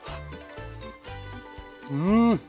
うん！